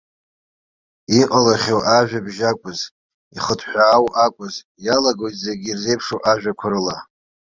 Иҟалахьоу ажәабжь акәыз, ихыҭҳәаау акәыз, иалагоит зегьы ирзеиԥшу ажәақәа рыла.